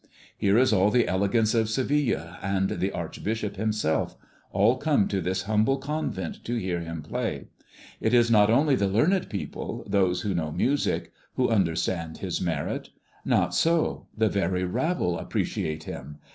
Here is all the elegance of Seville, and the archbishop himself, all come to this humble convent to hear him play. It is not only the learned people, those who know music, who understand his merit; not so, the very rabble appreciate him.